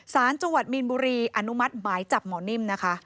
สารจังหวัดมีนบุรีอนุมัติหมายจับหมอนิ่มนะคะ